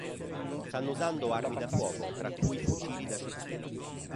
Stanno usando armi da fuoco, tra cui fucili da cecchino.